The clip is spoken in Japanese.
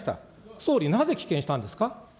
総理、なぜ棄権したんですか。